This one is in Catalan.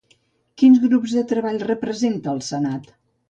Quins grups de treball representa al Senat?